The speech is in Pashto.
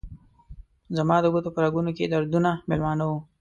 زما د ګوتو په رګونو کې دردونه میلمانه وه